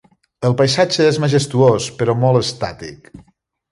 El paisatge és majestuós, però molt estàtic.